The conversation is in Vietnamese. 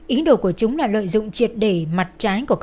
ý đồ của chúng là lợi dụng triệt để mặt trái